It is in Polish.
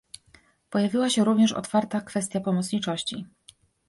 Pojawiła się również otwarta kwestia pomocniczości